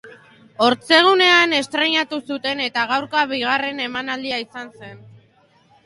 Ortzegunean estreinatu zuten eta gaurkoa bigarern emanaldia izanen da.